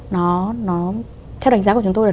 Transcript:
nó theo đánh giá của chúng tôi là